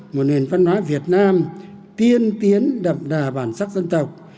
một nền văn hóa việt nam tiên tiến đậm đà bản sắc dân tộc